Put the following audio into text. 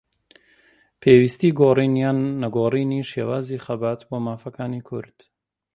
پێویستیی گۆڕین یان نەگۆڕینی شێوازی خەبات بۆ مافەکانی کورد